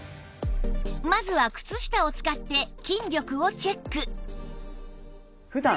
まずは靴下を使って筋力をチェック